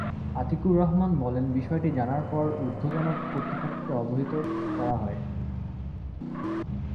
আতিকুর রহমান বলেন, বিষয়টি জানার পর ঊর্ধ্বতন কর্তৃপক্ষকে অবহিত করা হয়।